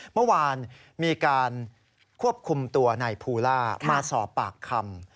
เมื่อวานมีการควบคุมตัวนายภูล่ามาสอบปากคำ